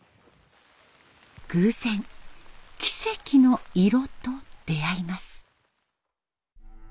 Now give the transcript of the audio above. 偶然「奇跡の色」と出会います。